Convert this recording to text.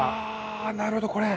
あなるほどこれ。